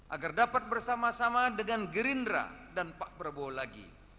agar dapat bersama sama dengan gerindra dan pak prabowo lagi